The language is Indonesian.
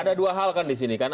ada dua hal kan di sini kan